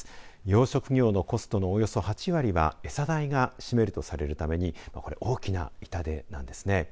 養殖業のコストのおよそ８割は餌代が占めるとされるために大きな痛手なんですね。